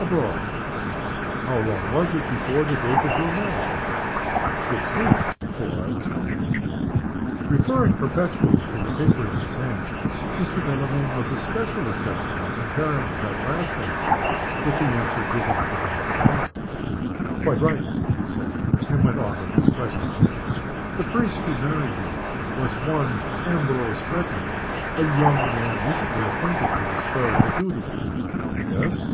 "Abroad." "How long was it before the date of your marriage?" "Six weeks before I was married." Referring perpetually to the paper in his hand, Mr. Delamayn was especially careful in comparing that last answer with the answer given to the head clerk. "Quite right," he said, and went on with his questions. "The priest who married you was one Ambrose Redman a young man recently appointed to his clerical duties?" "Yes."